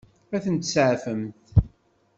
Ad tent-seɛfent?